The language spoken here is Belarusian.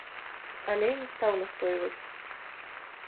Але не стаў настойваць.